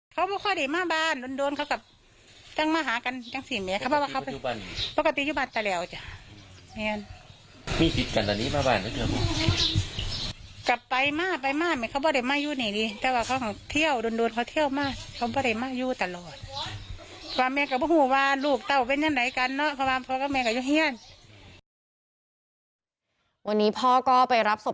ทำไม่อยู่หน่อยดี